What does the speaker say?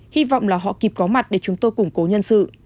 hy vọng là họ kịp có mặt để chúng tôi củng cố nhân sự